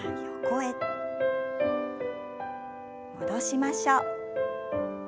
戻しましょう。